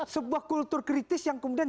sebuah kultur kritis yang kemudian